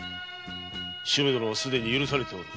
主馬殿はすでに許されておる。